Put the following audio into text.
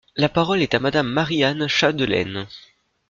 La parole est à Madame Marie-Anne Chapdelaine.